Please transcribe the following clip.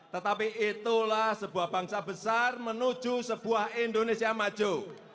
tetapi itulah sebuah bangsa besar menuju sebuah indonesia maju